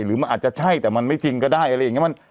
หรือมันอาจจะใช่แต่มันไม่จริงก็ได้อะไรอย่างนี้